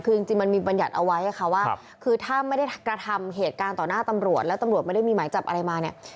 คือจริงมันมีบัญญัติเอาไว้ค่ะว่าคือถ้าไม่ได้กระทำเหตุการณ์ต่อหน้าตำรวจแล้วตำรวจไม่ได้มีหมายจับอะไรมาเนี่ย